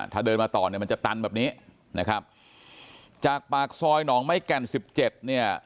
ถ้าเดินมาต่อเนี่ยมันจะตันแบบนี้นะครับจากปากซอยหนองไม้แก่นสิบเจ็ดเนี่ย